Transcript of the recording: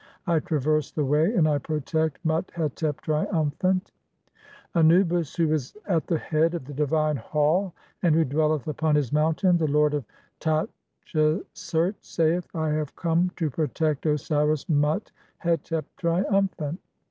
I traverse the "way, and I protect (4) Mut hetep, triumphant." VI. (1) "Anubis, (2) who is at the head of the divine hall "and who [dwelleth] upon his mountain, (3) the lord of Ta "tchesert, saith :— I have come (4) to protect Osiris Mut hetep, "triumphant."